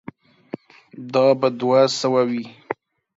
دا به دوه سوه وي.